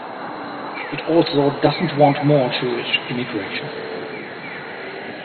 It also doesn't want more Jewish immigration.